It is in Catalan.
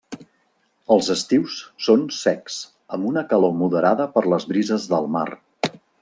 Els estius són secs, amb una calor moderada per les brises del mar.